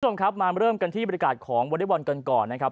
ทุกคนครับมาเริ่มกันที่บริการของโวคริวัลกันก่อนนะครับ